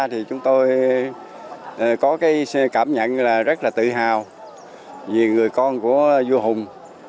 thì chúng tôi có cái cảm nhận là rất là tự hào vì người con của vua hùng